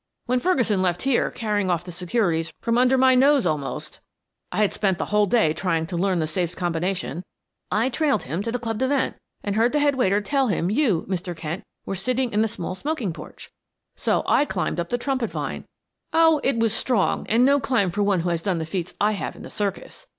"When Ferguson left here carrying off the securities from under my nose almost I had spent the whole day trying to learn the safe's combination; I trailed him to the Club de Vingt, and heard the head waiter tell him you, Mr. Kent, were sitting in the small smoking porch, so I climbed up the trumpet vine; oh, it was strong and no climb for one who has done the feats I have in the circus.